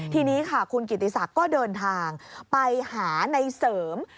ทีนี้ค่ะคุณกิติศักดิ์ก็เดินทางไปหาในเสริม